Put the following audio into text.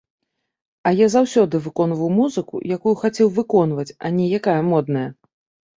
А я заўсёды выконваў музыку, якую хацеў выконваць, а не якая модная.